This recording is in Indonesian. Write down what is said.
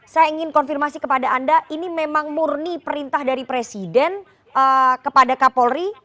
saya ingin konfirmasi kepada anda ini memang murni perintah dari presiden kepada kapolri